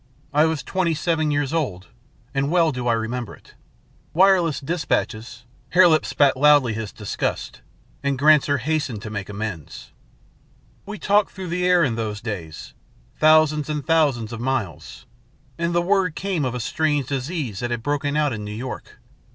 I was twenty seven years old, and well do I remember it. Wireless despatches " Hare Lip spat loudly his disgust, and Granser hastened to make amends. "We talked through the air in those days, thousands and thousands of miles. And the word came of a strange disease that had broken out in New York.